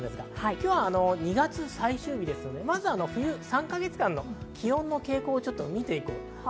今日は２月最終日ですので、まずは冬３か月間の気温の傾向を見ていきます。